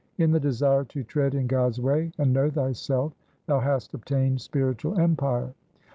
In the desire to tread in God's way and know thyself thou hast obtained spiritual empire.